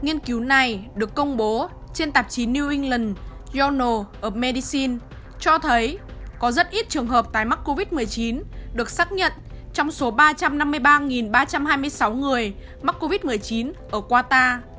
nghiên cứu này được công bố trên tạp chí new england yonal ở medicine cho thấy có rất ít trường hợp tái mắc covid một mươi chín được xác nhận trong số ba trăm năm mươi ba ba trăm hai mươi sáu người mắc covid một mươi chín ở qatar